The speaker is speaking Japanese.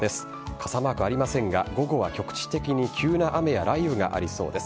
傘マークはありませんが午後は局地的に急な雨や雷雨がありそうです。